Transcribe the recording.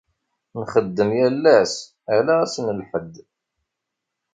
Nxeddem yal ass, ala ass n Lḥedd.